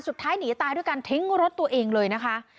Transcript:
สุดท้ายหนีตายด้วยการทิ้งรถตัวเองเลยนะคะ